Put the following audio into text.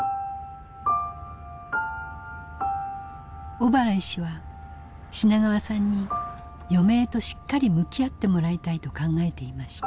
小原医師は品川さんに余命としっかり向き合ってもらいたいと考えていました。